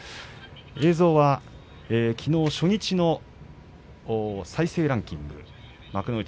映像はきのう初日の再生ランキング。